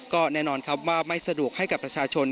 ก็แน่นอนครับว่าไม่สะดวกให้กับประชาชน